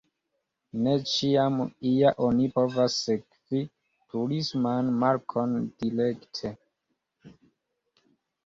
Ne ĉiam ja oni povas sekvi turisman markon direkte.